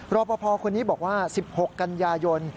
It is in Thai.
รอปภคนนี้บอกว่า๑๖กันยายน